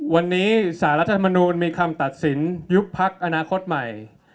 วันนี้สารรัฐธรรมนูลมีคำตัดสินยุบพักอนาคตใหม่